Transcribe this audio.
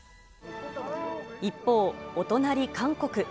一方、お隣、韓国。